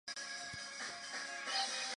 之后再使用剃刀直接切除大小阴唇。